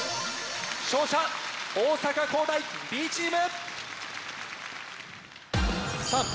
勝者大阪公大Ｂチーム！